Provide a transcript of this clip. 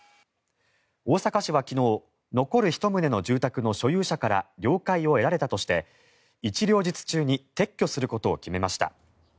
大阪市は昨日残る１棟の住宅の所有者から了解を得られたとして一両日中に撤去することを決めました。